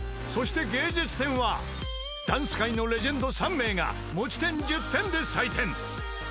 ［そして芸術点はダンス界のレジェンド３名が持ち点１０点で採点］